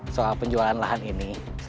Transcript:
soal penjualan lahan ini